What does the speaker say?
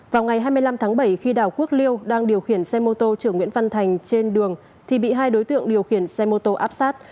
vào ngày hai mươi năm tháng bảy khi đào quốc liêu đang điều khiển xe mô tô chở nguyễn văn thành trên đường thì bị hai đối tượng điều khiển xe mô tô áp sát